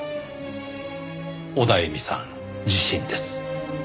オダエミさん自身です。